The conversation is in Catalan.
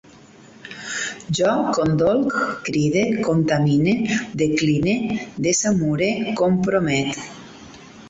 Jo condolc, cride, contamine, decline, desamure, compromet